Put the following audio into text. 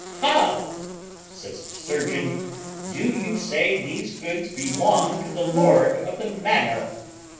"How," says the surgeon, "do you say these goods belong to the lord of the manor?"